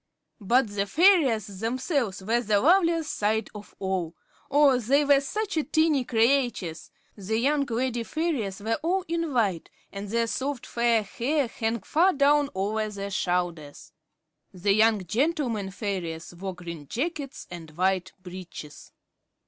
But the fairies themselves were the loveliest sight of all. Oh, they were such tiny creatures! The young lady fairies were all in white, and their soft, fair hair hung far down over their shoulders. The young gentlemen fairies wore green jackets and white breeches.